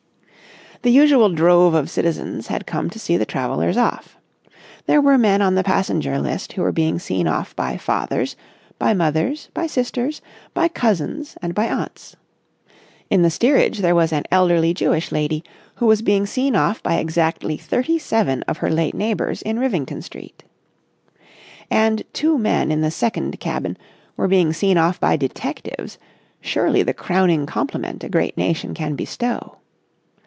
The usual drove of citizens had come to see the travellers off. There were men on the passenger list who were being seen off by fathers, by mothers, by sisters, by cousins, and by aunts. In the steerage, there was an elderly Jewish lady who was being seen off by exactly thirty seven of her late neighbours in Rivington Street. And two men in the second cabin were being seen off by detectives, surely the crowning compliment a great nation can bestow.